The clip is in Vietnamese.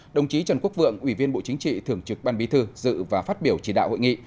đồng chí trần quốc vượng ủy viên bộ chính trị thường trực ban bí thư dự và phát biểu chỉ đạo hội nghị